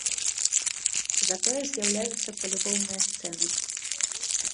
Затое з'яўляюцца палюбоўныя сцэны.